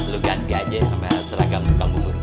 lo ganti aja sama seragam tukang bubur gue